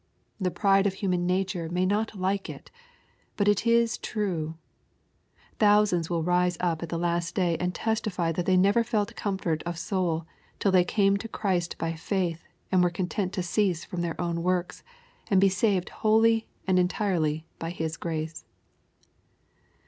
The pride of human nature may not like it 1 But it is true I Thousands will rise up at the last day and testify that they never felt comfort of soul till they came to Christ by faith, and were content to cease from their own works, and be saved wholly and entirely by His grace.